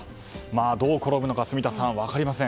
どう転ぶのか、住田さん分かりません。